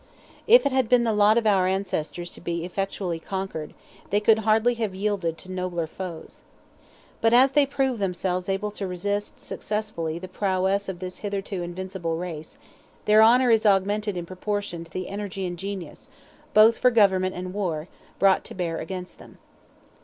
If it had been the lot of our ancestors to be effectually conquered, they could hardly have yielded to nobler foes. But as they proved themselves able to resist successfully the prowess of this hitherto invincible race, their honour is augmented in proportion to the energy and genius, both for government and war, brought to bear against them.